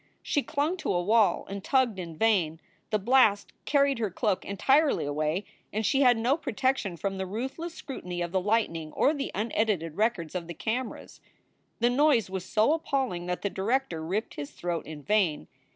She clung to a wall and tugged in vain. The blast carried her cloak en tirely away and she had no protection from the ruthless scrutiny of the lightning or the unedited records of the cameras. The noise was so appalling that the director ripped his throat in vain.